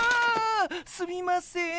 すみません。